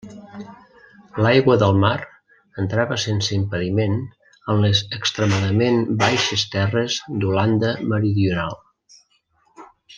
L'aigua del mar entrava sense impediment en les extremadament baixes terres d'Holanda Meridional.